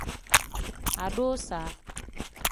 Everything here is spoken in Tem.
Adusa.